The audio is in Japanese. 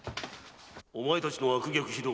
・お前たちの悪逆非道。